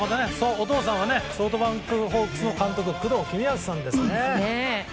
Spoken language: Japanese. お父さんはソフトバンクホークスの監督工藤公康さんですね。